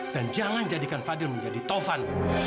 dan jangan jadikan fadil menjadi taufan